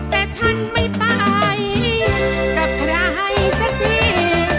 แต่ฉันไม่ไปกับใครสักที